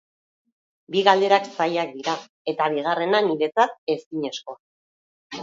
Bi galderak zailak dira, eta bigarrena, niretzat, ezinezkoa.